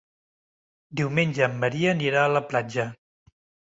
Diumenge en Maria anirà a la platja.